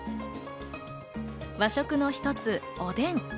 和食の一つ、おでん。